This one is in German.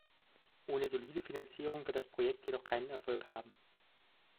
Ohne solide Finanzierung wird das Projekt jedoch keinen Erfolg haben.